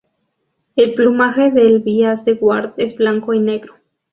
El plumaje del bias de Ward es blanco y negro.